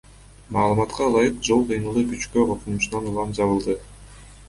Маалыматка ылайык, жол кыймылы көчкү коркунучунан улам жабылды.